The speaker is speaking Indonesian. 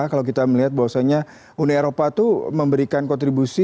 kalau kita melihat bahwasanya uni eropa tuh memberikan kontribusi